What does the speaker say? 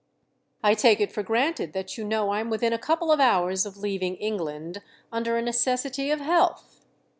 "I take it for granted that you know I'm within a couple of hours of leaving England under a necessity of health."